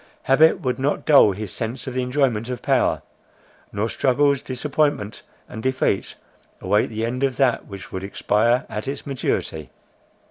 Habit would not dull his sense of the enjoyment of power; nor struggles, disappointment and defeat await the end of that which would expire at its maturity.